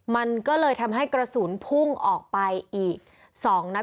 มันก็เลยทำให้กระสุนพุ่งออกไปอีก๒นัด